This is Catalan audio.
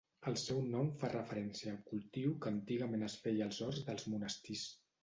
El seu nom fa referència al cultiu que antigament es feia als horts dels monestirs.